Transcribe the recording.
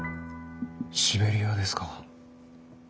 シベリアですか。